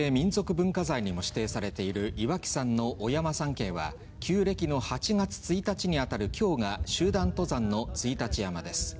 文化財にも指定されている、岩木山のお山参詣は旧暦の８月１日に当たるきょうが集団登山の朔日山です。